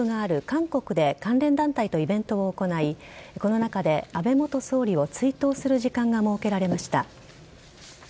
韓国で関連団体とイベントを行いこの中で安倍元総理を追悼する時間が設けられました。